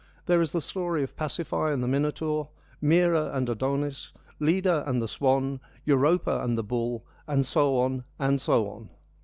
There is the story of Pasiphae and the Minotaur, Myrrha and Adonis, Leda and the swan, Europa and the bull — and so on, and soon.